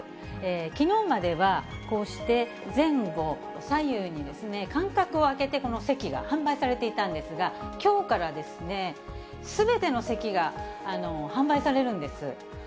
きのうまではこうして、前後左右に間隔を空けてこの席が販売されていたんですが、きょうからすべての席が販売されるんです。